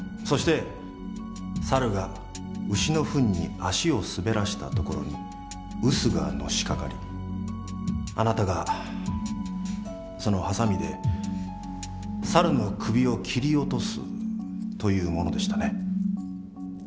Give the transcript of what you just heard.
そして猿が牛のフンに足を滑らせたところに臼がのしかかりあなたがそのハサミで猿の首を切り落とすというものでしたね？